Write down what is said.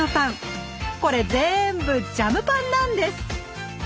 これ全部ジャムパンなんです。